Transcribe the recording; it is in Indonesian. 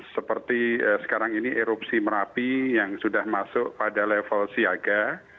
seperti sekarang ini erupsi merapi yang sudah masuk pada level siaga